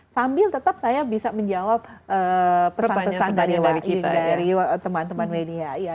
sambil tetap saya bisa menjawab pesan pesan dari teman teman media